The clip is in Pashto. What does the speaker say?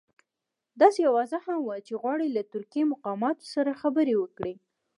داسې اوازه هم وه چې غواړي له ترکي مقاماتو سره خبرې وکړي.